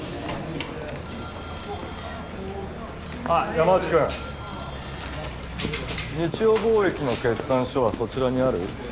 あっ山内君日欧貿易の決算書はそちらにある？